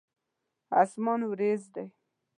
اسمان وريځ دی.